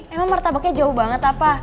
emang martabaknya jauh banget apa